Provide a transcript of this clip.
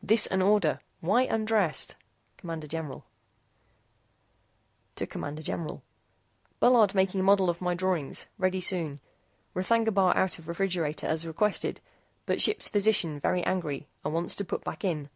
THIS AN ORDER! WHY UNDRESSED? CMD GENERAL CMD GENERAL BULLARD MAKING MODEL OF MY DRAWINGS. READY SOON. R'THAGNA BAR OUT OF REFRIGERATOR AS REQUESTED BUT SHIPS PHYSICIAN VERY ANGRY AND WANTS TO PUT BACK IN.